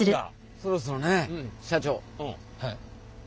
そろそろね社長